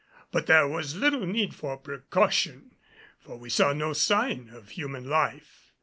But there was little need for precaution, for we saw no sign of human life.